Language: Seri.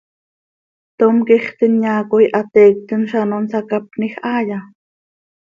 ¿Tom quixt inyaa coi hateiictim z ano nsacapnij haaya?